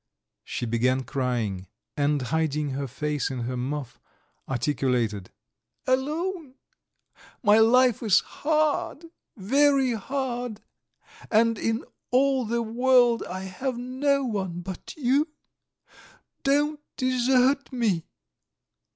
She began crying; and, hiding her face in her muff, articulated: "Alone! My life is hard, very hard, and in all the world I have no one but you. Don't desert me!"